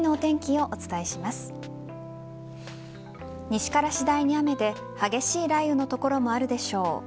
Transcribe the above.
西から次第に雨で激しい雷雨の所もあるでしょう。